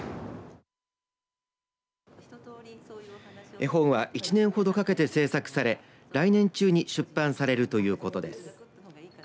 絵本は１年ほどかけて制作され来年中に出版されるということです。